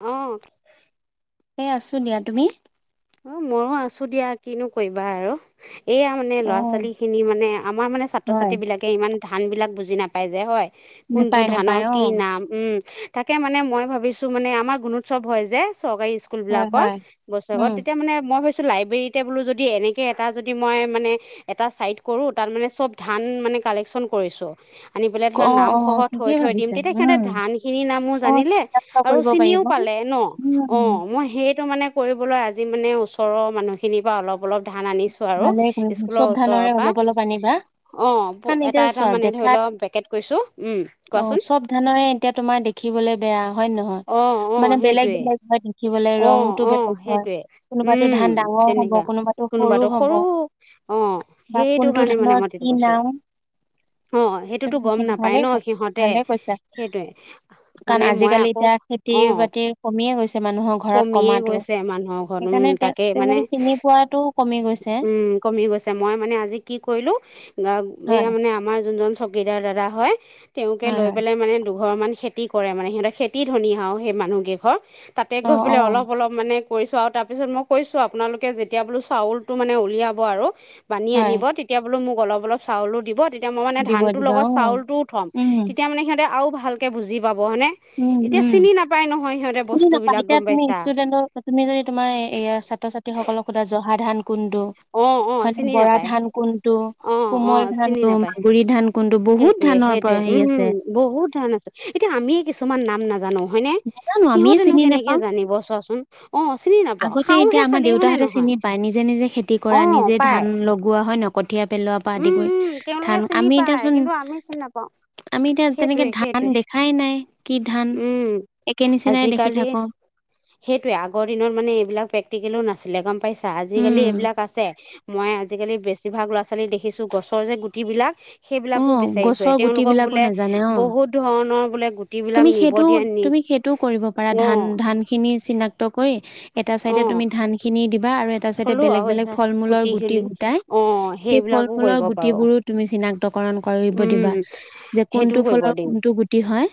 অঁ এই আছোঁ দিয়া তুমি অ ময়ো আছো দিয়া কিনো কৰিবা আৰু এয়া মানে ল'ৰা অ', ছোৱালী খিনি মানে আমাৰ মানে ছাত্ৰ হয়। ছাত্ৰী বিলাক ইমান ধানবিলাক বুজি নাপায় যে হয় কোনটো নেপায় ধানৰ নেপায় কি অ', নাম তাকে মানে মই ভাবিছোঁ মানে আমাৰ গুণোৎসৱ হয় যে চৰকাৰী স্কুল স্কুল হয় বিলাকৰ হয় বৈছত উম, তেতিয়া মানে মই ভাবিছো লাইব্ৰেৰীতে বোলো যদি এনেকে এটা যদি মই মানে এটা ছাইড কৰোঁ তাত মানে চব ধান মানে কালেকশ্যন কৰিছোঁ আনি পেলাই ক- ধৰা অ', অ', নামখহ থৈ ঠিকেই থৈ দিম ভাবিছা তেতিয়া সিহঁতে উম। ধান খিনিৰ নামো অ' জানিলে চেষ্টা আৰু কৰিব চিনিও পাৰিব পালে ন অ উম, মই সেইটো মানে কৰিবলৈ আজি মানে ওচৰৰ মানুহখিনিৰ পৰা অলপ অলপ ধান আনিছো আৰু ভালে কৰিছা চব স্কুলৰ ধানৰে ওচৰৰ অলপ অলপ আনিবা। পৰা অ প কাৰণ এতিয়া এটা এটা চোৱা মানে ধৰি দেখাত লোৱা পেকেট কৈছো উম কোৱাচোন দেখিবলে বেয়া হয় নে নহয় অঁ অঁ মানে বেলেগ সেইটোৱে বেলেগ হয় শখিবলে অঁ ৰংতটো অঁ বেলেগ হয় সেইটোৱে কোনোবাতো ধান ডাঙৰ হ'ব কোনোবাতো সৰু হ'ব, অঁ বা সেইটো কোনটো কাৰণে মানে ধানৰ মই তেটো কি কৈছোঁ নাম অঁ তু সেইটোতো গম নাপায় ভালে ন ক সিহঁতে ভালে কৈছা সেইটোৱে কাৰণ মানে মই আজিকালি আকৌ এতিয়া খতি অঁ বাতি কমিয়ে গৈছে মানুহৰ ঘৰত কমিয়ে কমটো গৈছে মানুহৰ ঘৰত উম সেইকাৰণে তেওঁ তাকে মানে তেওঁলোকে চিনি পোৱাাতটো উম কমি গৈছে মই মানে, আজি কি কৰিলো এ হয় মানে আমাৰ যোনজন চকীদাৰ দাদা হয় তেওঁকে হয় লৈ হয় পেলাই মানে দুঘৰ মান খেতি কৰে মানে সিহঁতৰ খেতি ধনী হা সেই মানুহকেইঘৰ তাতে অ গৈ অ পোলে অলপ অলপ মানে কৰিছো আৰু তাৰ পিছত মই, কৈছো আপোনালোকে যেতিয়া বোলো চাউলতটো মানে উলিয়াব আৰু বানি আনিব হয় তেতিয়া বোলো মোক অলপ অলপ চাউলো দিব তে তেতিয়া মই মানে দিব ধানটোৰ দিবা লগত অ চাউলটোও থ'ম উম তেতিয়া মানে সিহঁতে আৰু ভালকে বুজি পাব হলে উম এতিয়া উম চিনি নাপাই নহয় সিহঁতে চিনি বস্তু এতিয়া তুমি ষ্টুডেন্টৰ তুমি যদি তোমাৰ এ ছাত্ৰ ছাত্ৰীসকলক সোধা জহা ধান কোনটো অ অ হয়ানে চিনি বৰা নাপায় ধান কোনটো, অ অ কোমল চিনি ধানটো নাপায় মাগুৰি ধান কোনটো বহুত সেইটোৱে ধানৰ সেইটোৱে পৰা হেৰি উম আছে বহুত ধৰণ আছে এতিয়া আমিয়ে কিছুমান নাম নাজানো হয়নে নাজানো আমিয়ে সিহঁতেনো চিনি নেপাওঁ কেনেকে জানিব, চোৱাচোন অ চিনি নাপাও আগতে খাও এতিয়া হে আমাৰ খালি দেউতাহঁতে নহয় চিনি পায় নিজে নিজে খেতি অ কৰা নিজে পাই ধান লগোৱা হয় নক কঠীয়া পেলোৱা পৰা আদি উম কৰি উম তেওঁলোকে ধান, চিনি আমি পায় এতিয়াচোন কিন্তু আমি চিনি নাপাওঁ আমি এতিয়া সেইটোৱে তেনেকে সেইটোৱে ধান দেখাই নাই কি ধান উম একে নিচিনাই দেখি আজিকালি থাকো সেইটয়ে আগৰ দিনত মানে এইবিলাক প্ৰেক্টিকেলো নাছিলে গম পাইছ আজিকালি উম এইবিলাক আছে মই আজিকালি বেছিভাগ ল'ৰা ছোৱালী দেখিছো গছৰ যে গুটি বিলাক অ সেইবিলাকো বিচাৰি ফুে গছৰ গুটি তেওঁওলোকক বিলাকো বোলে নাজানে অ বহুত ধৰণৰ বোলে গুট তুমি বিলাক নিব সেইটো দিয়ে নি তুমি সেইটোও কৰিব পাৰা ধান অ ধান খিনি চিনাক্ত কৰি এটা অ চাইডে তুমি ধান খিনি দিবা আৰু তাৰছতে থলো বেলেগ আৰু বেলেগ এ ফল মূলৰ কুটি গুটি খিলি গোটাই অ সেই ফল সেইবিলাকো মূলৰ কৰিব পাৰো গুটিিবোৰো তুমি চিনাক কাৰণ ৰণ কৰিব দিবা উম যে সেইটোও কোনটো কৰিব ফলৰ দিম কোনটো গুটি হয়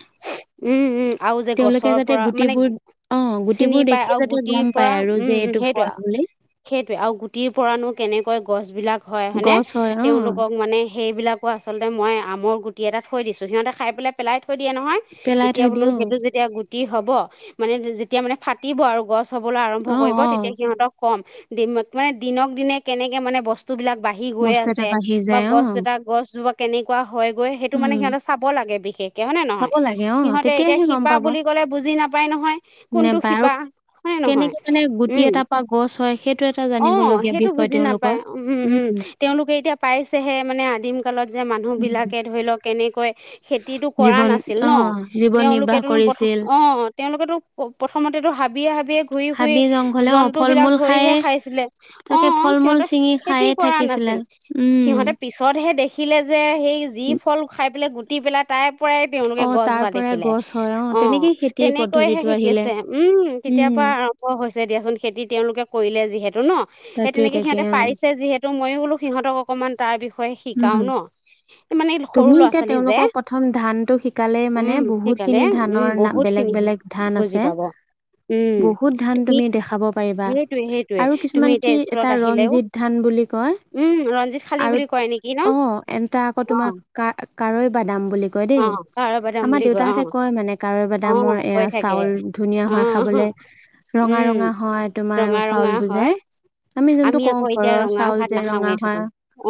উম উম আৰু যে তেওঁলোকে গছৰ যাতে পৰা মানে গুটিবোৰ অ চিনি গুটিবোৰ পাই দেখিয় আৰু যাতে গুটিৰ গম পৰা পাই আৰু উম যে উম এইটো সেইটোৱে ফল বুলি সেইটোৱে আৰু গুটিৰ পৰানো কেনেকৈ গছবিলাক হয় হয়নে গছ হয় অ তেওঁলোকক মানে সেইবিলাক আক আচলতে মই আমৰ গুটি এটা থৈ দিছোঁ সিহঁতে খাই পেলাই পেলাই থৈ দিয়ে নহয়, পেলাই এতিয়া থৈ বোলো দিও সেইটো যেতিয়া গুটি হ'ব মানে যেতিয়া মানে ফাটিব আৰু গছ হ'বলৈ আৰম্ভ অ কৰিব অ তেতিয়া সিহঁতক কম মানে দিনক দিনে কেনেকে মানে বস্তু বস্তু বিলাক বাঢ়ি গৈয় বস্তু এটা আছে বাঢ়ি বা যায় অ গছ জোতা গছজোপা কেনেকুৱা হয় গৈ সেইটো মানে উম সিহঁত চাব লাগে বিষ একে হয়নে নহয় চাব লাগে অ সিহঁতে এতিয়া তেতিয়াহে গম শিপা পাব বুলি ক'লে বুজি নাপায় নহয় কোনটো নেপায় আৰু শিপা। হ নহয় কেনেকে মানে গুটি উম। এটা পৰা গছ হয় সেইটো এটা অ', জানিবলগীয়া সেইটো বিষয় বুজি তেওঁলোকৰ নাপায় উম উম। তেওঁলোকে এতিয়া পাইছেহে মানে আদিম কালত যে মানুহ উম বিলাকে ধৰি লওক কেনেকৈ। খেতিতটো কৰা জীৱন নাছিল অ ন জীৱন নিৰ্বাহ তেওঁলোকেতো প্ৰথম কৰিছিল অ। তেওঁলোকেতো প্ৰথমতেতো হাবিয়ে হাবিয়ে ঘূৰি শুৰিই। হাবি জংঘলে অ জন্তু ফল বিলাক মূল ধৰিহে খায়ে খাইছিলে অ তাকে ফল মূল সিহতে ছিঙি খেতি খায়ে কৰা থাকিছিলে নাছিল সিহতে। উম পিছতহে দেখিলে যে সেই যি ফল খাই পেলাই গুটি পেলাই। তাই পৰাই অ তেওঁলোকে গছ তাৰ হোৱা পৰাই দেখিলে গছ হয় অ তেনেকেই খেতিৰ তেনেকৈহে পদ্ধতিটো আহিলে শিকিছে উম। তেতিয়াৰ উম পৰা আৰম্ভ হৈছে দিয়াচোন খেতি তেওঁলোকে কৰিলে যিহেতু ন সেই তাকেই তেনেকে তাকে সিহতে অ পাৰিছে যিহেতু। তটো মইয়ো বোলো সিহঁতক অকমান তাৰ বিষয়ে উম শিকাও ন। মানে তুমি সৰু ল'ৰা এতিয়া ছোৱালী যে তেওঁলোকক প্ৰথম ধানটো শিকালে মানে উম বহুত সেইকাৰণে খিনি উম ধানৰ না বহুত বেলেগ খিনি বেলেগ হয়। ধান বুজি আছে পাব। উম বহুত ধান তুমি দেখাব পাৰিবা। সেইটোৱে সেইটোৱে আৰু তুমি কিছুমান এতিয়া কি স্কুলত এটা আহিলেও ৰঞ্জিত ধান বুলি কয়। উম ৰঞ্জিত শালি আৰু বুলি কয় নেকি ন অ এনটা আকৌ। অ তোমাক কা কাৱৈ বাদাম বুলি কৈ দে অ কাৰা বাদাম আমাৰ বুলি দেউতা অ হতে কয় মানে। কাৱৈ অ বাদামৰ এয়া কৈ থাকে চাউল ধুনীয়া অ হয়, খাবলে ৰঙা, উম ৰঙা হয়। তোমাৰ ৰঙা ৰঙা চাউলটো যে। হয় আমি যোনটো কওঁ আকৌ এতিয়া ঘৰৰ ৰঙা চাউল ভাত যে ৰঙা নাখাওঁৱে হয়,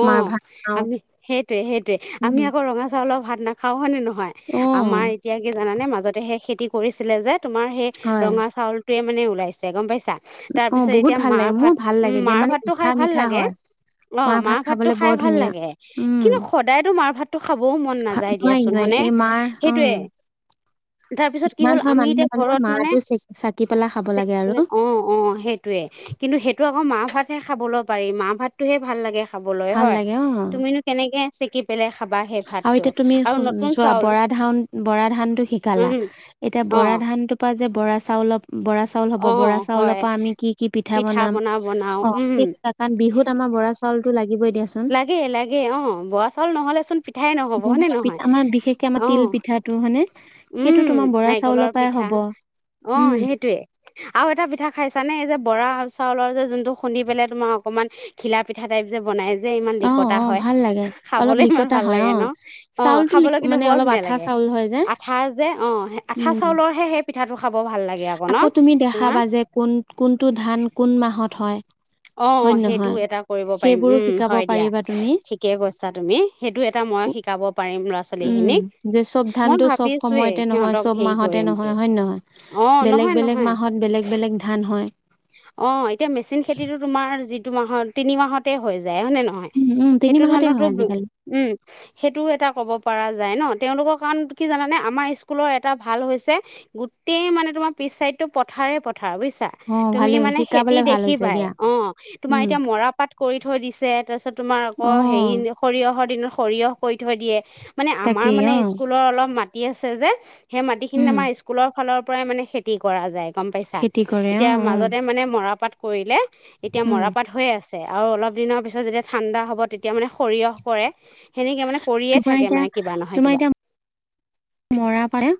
মাৰ ভাত খাওঁ। সেইটোয়ে, সেইটোয়ে উম, আমি আকৌ ৰঙা চাউলৰ ভাত নাখাওঁ হয়, নে নহয় আমাৰ অ', এতিয়া কি জানানে মাজতে সেই খেতি কৰিছিলে যে তোমাৰ সেই হয় ৰঙা চাউলটোৱে মানে ওলাইছে গম পাইছা অ', তাৰপিছত বহুত এতিয়া ভাল মাৰ লাগে মোৰ ভাত ভাল উম, লাগে দিয়া মাৰ মানে ভাতটো মিঠা খাই ভাল মিঠা লাগে। হয় অ', ভাত মাৰ ভাতটো খাবলে বৰ খাই ভাল ধুনীয়া লাগে, উম, কিন্তু সদায়তো মাৰ ভাতটো খাবও মন ভা নাযায় নোৱাৰি দিয়াচোন নোৱাৰি হয়, নে এই মাৰ সেইটোয়ে। তাৰপিছত কি কিমান হ'ল [unintelligible] আমি মানুহে এতিয়া মানে ঘৰত মাৰ টো চে- চাকি পেলাই খাব লাগে আৰু। অ', অ', সেইটোয়ে কিন্তু সেইটো আকৌ মাৰ ভাতহে খাবলৈ পাৰি, মাৰ ভাতটোহে ভাল লাগে খা খাবলৈ ভাল হয়, লাগে অ', তুমিনো কেনেকে চেকি পেলাই খাবা সেই আৰু ভাতটো এতিয়া তুমি আৰু নতুন চোৱা চাউল বৰা ধান, বৰা ধানটো শিকালা উম এতিয়া অ বৰা ধান টো পা যে বৰা চাউল ব-বৰা চা চাউল হ'ব, অ বৰা চাউলৰ হয় পৰা আমি কি, কি পিঠা বনাম। পনা বনাও অ', উম সেই কাৰণ বিহুত আমাৰ বৰা চাউলটো লাগিবই দিয়াচোন। লাগেই, লাগেই অ', বৰা চাউল নহ'লে চোন পিঠাই নহ'ব হয়নে নহ'লে নহয় পিঠা আমাৰ বিশেষকে আমাৰ তিল অ', পিঠাটো হয়নে সেইটো উম, তোমাৰ বৰা নাৰিকলৰ চাউলৰ পৰাই পিঠা হ'ব অ', উম সেইটোৱে। আৰু এটা পিঠা খাইছানে? এই যে বৰা চাউলৰ যে যোনটো খুন্দি পেলাই তোমাৰ অকমান ঘিলা পিঠা টাইপ যে বনাই যে ইমান অ লিকতা অ হয়, ভাল লাগে অলপ খাবলে ইমান লিকতা ভাল হয় লাগে অ ন! অ', চাউলটো লি খাবলে কিন্তু মানে বৰ অলপ ধুনীয়া আঠা লাগে। চাউল হয় যে আঠা যে অ', আঠা উম চাউলৰহে সেই পিঠাটো খাব ভাল লাগে আকৌ ন তুমি তোমাৰ! দেখাবা যে কোন কোনটো, ধান কোন মাহত হয় হয় অ', সেইটো নহয় এটা কৰিব পাৰিম সেইবোৰো উম, শিকাব হয়, দিয়া পাৰিবা তুমি ঠিকে কৈছা তুমি। সেইটো এটা মই শিকাব পাৰিম ল'ৰা উম ছোৱালীখিনিক, যে চব মই ধানটো চব ভাবিছোঁয়ে সময়তে নহয় সিহঁতক চব হেৰি মাহতে কৰিম বুলি নহয় হয়, নহয়। অ বেলেগ, নহয় বেলেগ নহয় মাহত বেলেগ বেলেগ ধান হয়। অ', এতিয়া মেচিন খেতিটো তোমাৰ যিটো মাহত তিনি মাহতে হৈ যায় হয়, নে নহয়। উম উম তিনি সেইটো মাহতে ধানটো হয় আজিকালি উম সেইটোও এটা ক'ব পৰা যায় ন তেওঁওলোকৰ কাৰণ কি জানানে আমাৰ স্কুলৰ এটা ভাল হৈছে গোটেই মানে তোমাৰ পিছ চাইডটো পথাৰে, পথাৰ বুইছা। অ', তুমি ভালেই হয়, মানে খেতি শিকাবলে ভাল হৈছে দেখিবাই দিয়া। অ'। তোমাৰ উম, এতিয়া মৰাপাট কৰি থৈ দিছে, তাৰপিছত তোমাৰ আকৌ হেৰি অ', সৰিয়হৰ দিনত সৰিয়হ কৰি থৈ দিয়ে, মানে আমাৰ তাকেই মানে অ', স্কুলৰ অলপ মাতি আছে যে। সেই মাটিখিনিত উম, আমাৰ স্কুলৰ ফালৰ পৰাই মানে খেতি কৰা যায় গম পাইছা, খেতি কৰে এতিয়া অ', অ', মাজত মানে মৰাপাট কৰিলে, এতিয়া উম, মৰাপাট হৈ আছে। আৰু অলপ দিনৰ পিছত যেতিয়া ঠাণ্ডা হ'ব তেতিয়া মানে সৰিয়হ কৰে। সেনেকে মানে কৰিয়ে তোমাৰ থাকে এতিয়া মানে কিবা নহয় কিবা। মৰাপাটে,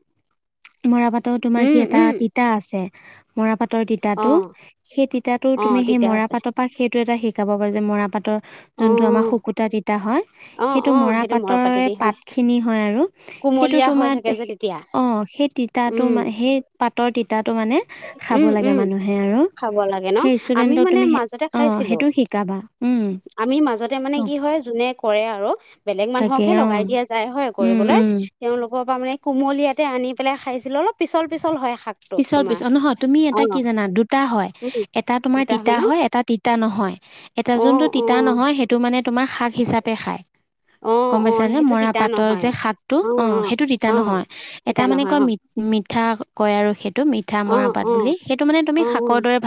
মৰাপাটৰো তোমাৰ কি উম এটা উম তিতা আছে, মৰাপাটৰ তিতা অ তিতাটো, সেই তিতাটো অ তুমি সেই তিতা আছে মৰাপাটৰ পৰা সেইটো এটা শিকাব পাৰা যে মৰাপাটৰ অ যোনটো আমাৰ শুকুতা তিতা হয় অ সেইটো অ মৰাপাটৰে মৰাপাতেদি হয় পাতখিনি হয়, আৰু সেইটো কুমলীয়া হৈ তোমাৰ থাকে যে তেতিয়া অ', সেই তিতা উম তোমাৰ সেই পাতৰ তিতাটো মানে খাব উম লাগে উম মানুহে আৰু সেই ষ্টুডেণ্টক তুমি হে খাইছিলোঁ আমি মাজতে মানে অ কি হয়, যোনে কৰে আৰু বেলেগ তাকে মানুহকহে অ লগাই দিয়া যায় হয়, উম কৰিবলৈ উম তেওঁলোকৰ পৰা মানে কুমলীয়াতে আনি পেলাই খাইছিলোঁ অলপ পিছল, পিছল হয়, শাক পিছল, পিছল অ', নহয় তুমি এটা কি জানা দুটা হয় উম এটা তোমাৰ দুটা তিতা ন হয়, এটা তিতা নহয়। এটা অ যোনটো অ তিতা নহয় সেই টো মানে তোমাৰ শাক হিচাপে খায়। অ'। গম অ পাইছোনে সেইটো মৰা তিতা পাতৰ নহয় যে সাতটো অ, সেইটো তিতা অ নহয় এটা তিতা মানে নহয় কয় অ মি মিঠা কয় আৰু সেইটো মিঠ অ পিঠামৰা পাত অ বুলি সেইটো মানে তুমি অ শাকৰ দৰে ভ,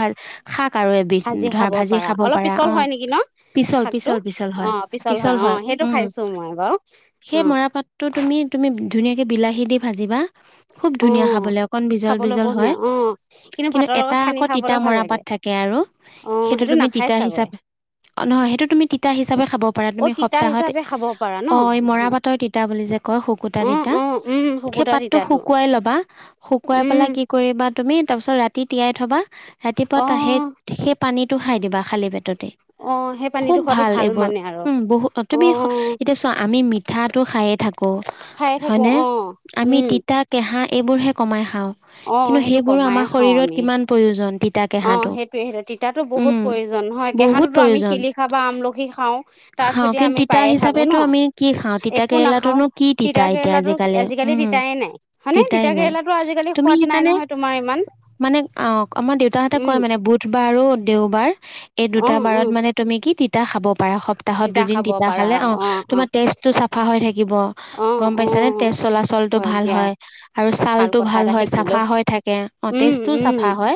শাক আৰু এবিধ ধৰা ভাজি খাব পাৰা অ'। কি ন পিছল শাকটো পিছল পিছল অ, হয় পিছল হয় অ, সেইটো উম খাইছো মই বাৰু সেই অ'। মৰাপাতটো তুমি, তুমি ধুনে বিলাহী দি ভাজিবা খুব, অ ধুন খাব অ'। জল খাবলৈ বিজল বহুত হয় ধুনীয়া অ কিন্তু ভাতৰ এটা লগত সানি আকৌ তিতা খাবলৈ ভাল মৰাপাত লাগে থাকে আৰু। অ সেইটো তুমি নাখাই তিতা চাগৈ হিচাপে অ, নহয় সেইটো তুমি তিতা হিচাপে খাব। পৰা অ তুমি তিতা সপ্তাহত হিচাপে খাব পাৰা ন অ, এই মৰা পাতৰ তিতা বুলি যে কয় শুকুতা অ তিতা অ উম সেই শুকুতা পাত তিতাটো শুকাই ল'বা শুকুৱাই উম পেলাই কি কৰিবা তুমি তাৰপিছত ৰাতি তিয়াই থবা অ ৰাতিপুৱা সেই পানীটো খাই দিবা খালী পেটতে অ সেই খুব পানীটো খোৱাটো ভাল এইবোৰ মানে আৰু উম, বহুত তুমি অ এতিয়া চোৱা আমি মিঠাটো খাই থাকো। খাই থাকো হয়নে অ আমি উম তিতা কেহা এইবোৰ হে কমাই। অ কিন্তু সেইটো সেইবোৰো কমাই আমাৰ খাওঁ শৰত আমি কিমান প্ৰয়োজন তিত অ, সেইটোয়ে সেইটো তিতাতো বহুত প্ৰয়োজন হয় বহুত কেঁহাঁতটোতো আমি প্ৰয়োজন। শিলি খা বা আমলখি খাও। তাত খাওঁ সৈতে কিন্তু আমি তিতা পায়ে থাকো ন হিচাপেতো আমি কি খাওঁ তিতা একো নাখাও কেৰেলাটোনো কি তিতা এতিয়া কেৰেলাতো আজিকালি উম তিতাই নাই। হানে তিতাই তিতা নাই কেৰেলাতো আজিকালি তুমি সোৱাদ নাই সেইকাৰণে নহয় তোমাৰ ইমান মানে অ, আমাৰ দেউতাহঁতে কয় উম মানে বুধবাৰ আৰু দেওবাৰ এই অ দুটা বাৰত উম মানে তুমি কি তিতা খাব পাৰা সপ্তাহত, দুদিন খাব তিতা পাৰা খালে অ, অ তোমাৰ চাফা হৈ থাকিব অ গম অ পাইছ নে তেজ চলাচলটো ভাল হয় আৰু। তালটো কথা ভাল এটা হয় শিকিলো চাফা হৈ থাকে অ, উম জটো উম চাফা হয়।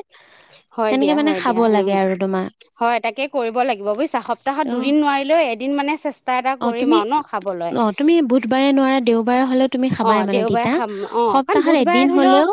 হয় তেনেকে দিয়া মানে হয় খাব দিয়া লাগে উম আৰু তোমাৰ হয়, তাকে কৰিব লাগিব বুজিছা সপ্তাহত অ দুদিন নোৱাৰিলেও এদিন মানে চে এটা, এটা অ কৰিম তুমি আৰু ন খাবলৈ। অ তুমি বুধবাৰে নোৱাৰা দেওবাৰে হলেও তুমি অ খাবাই মানে দেওবাৰে তিতা খাম অ কাৰণ সপ্তাহত বুধবাৰে এদিন ধৰি লও হলেও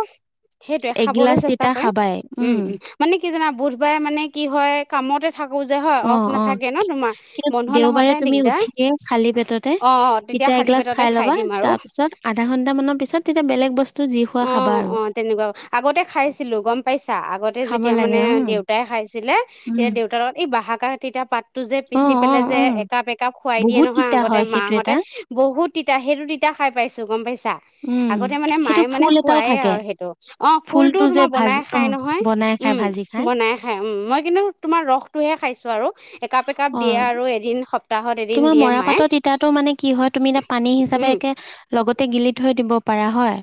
সেইটোৱে খাবলৈ এগিলাচ চেষ্টা তিতা কৰিম খাবাই উম। মানে কি জানা বুধবাৰে মানে কি হয় কামতে থাকো যে হয় অ অফ অ নাথাকে ন, তোমাৰ কিন্তু বন্ধ দেওবাৰে নহলে তুমি দিগদাৰ উঠিয়ে খালী পেটতে অ, তেতিয়া খালী পেটতে খাই দিম আৰু। পিত আধা ঘণ্টা মান পিত তেতিয়া বেলেগ বস্তু যি খোৱা খাবা অ', অ', আৰু। অ', তেনেকুৱা আগতে খাইছিলো গম পাইছা আগতে খাব যেতিয়া লাগে মানে অ দেউতাই খাইছিলে। তেতিয়া উম। দেউতাৰ লগত এই বাহ, কাহ তেতিয়া পাতটো যে অ পিচি অ পেললে যে অ একাপ, একাপ খুৱাই দিয়ে বহুত নহয় তিতা আগতে হয় সেইটো মাহঁতে। এটা বহুত তিতা সেইটো তিতা খাই পাইছো গম পাইছা। উম, আগতে মানে সেইটো। মায়ে মানে ফুল এটাও খুৱাইে থাকে আৰু সেইটো অ, ফুল টো ফুলটো যে তোমাৰ ভাজি বনাই অ খাই নহয় বনাই খাই উম। ভাজি নাই, খাই উম, মই কিন্তু তুমাৰ ৰস টোহে খাইছো আৰু একাপ, একাপ অ দিয়ে আৰু এদিন সপ্তাহত এদিন তোমাৰ দিয়ে মায়ে মৰাপাতত এতিাতো মানে কি হয় তুমি এ, পানী হিচাপে উম একে লগতে গিলি থৈ দিব পাৰা হয়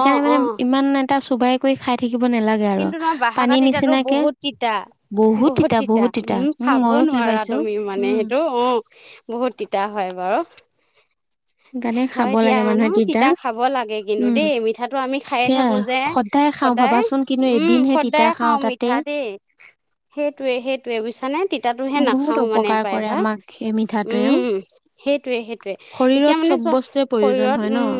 অ মানে অ ইমান এটা চোবাই কৰি খাই থাকিব নালাগে আৰু কিন্তু নই বহাগাত পানীৰ তিতাতো নিচিনাকে বহুত তিতা বহুত তিতা উম, খাব নোৱাৰা তুমি মানে সেইটো অ'। বহুত তিতা হয় বাৰু। সেইকাৰণে খাব হয় দিয়া লাগে ন, মানুহে তিতা খাব লাগে কিন্তু দেই মিঠাটো আমি খায়ে থাকো যে তাই খাওঁ সদায় ভাবাচোন কিন্তু উম, এদিনহে তিতা খদায়ে খাওঁ খাও তাতে মিঠা দেই সেইটোৱে, সেইটয়ে বুইছা নে। তাতোহে বহুত নাখাও মানে অপকাৰ কৰে প্ৰায়ভাগ আমাক সেই মিঠাটোৱেও উম, সেইটয়ে, সেইটোয়ে এতিয়া শৰীৰত মানে চব চ বস্তুৱে প্ৰয়োজন শৰীৰত হয় ন উম,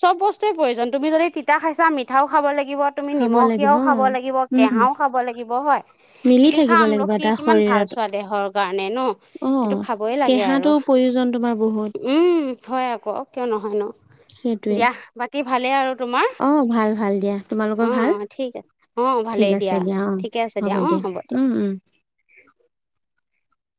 চব বস্তুৱয়ে প্ৰয়োজন তুমি যদি তিতা খাইছা মিঠাও খাব লাগিব তুমি খাব নিমখ লাগিব য়াও খাব লাগিব উম কেহাও খাব লাগিব হয়। মিলি শিলিখা থাকিব লাগিব আমলখি এটা কিমান ভাল শৰীৰত চোৱা দেহৰ কাৰণে ন অ সেইটো খাবই লাগে আৰু। কেঁহাটো প্ৰয়োজন তোমাৰ বহুত। উম, হয় আকৌ কিয় নহয় ন'। সেইটোৱে দিয়া। বাকী ভালেই আৰু তোমাৰ? অ ভাল ভাল দিয়া তোমালোকৰ ভাল অ'। ঠিক আছে। অ' ঠিক ভালেই আছে দিয়া। অ ঠিকে আছে দিয়া। অ' হ'ব দিয়া। উম উম